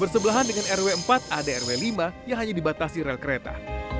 bersebelahan dengan rw empat ada rw lima yang hanya dibatasi rel kereta